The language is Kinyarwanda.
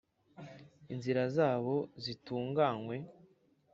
Inzira zabo zitunganywe